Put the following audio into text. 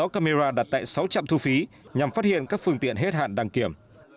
một mươi sáu camera đặt tại sáu trăm linh thu phí nhằm phát hiện các phương tiện hết hạn đang kiểm